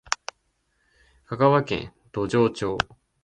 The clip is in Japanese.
香川県土庄町